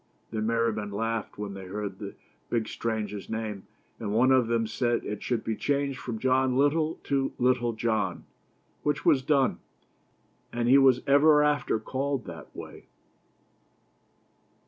The merry men laughed when they heard the big stranger's name ; and one of them said that it should be changed from John Little to Little John, which was done, and he was ever after called that way.